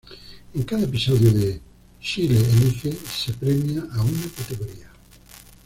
En cada episodio de "Chile Elige" se premia a una categoría.